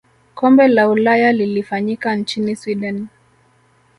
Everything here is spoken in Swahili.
kombe la ulaya lilifanyika nchini sweden